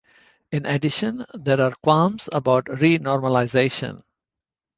In addition, there are qualms about renormalization.